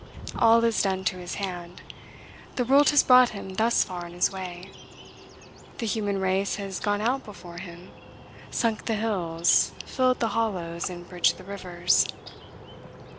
All is done to his hand. The world has brought him thus far on his way. The human race has gone out before him, sunk the hills, filled the hollows, and bridged the rivers.